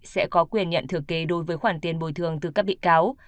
sẽ có quyền nhận thừa kế đối với khoản tiền bồi thường từ các bị cáo